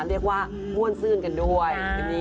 เรียกว่าม่วนซื่นกันด้วย